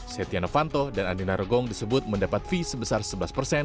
setia novanto dan andi narogong disebut mendapat fee sebesar sebelas persen